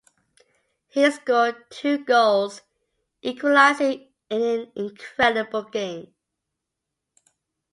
He scored two goals, equalising in an incredible game.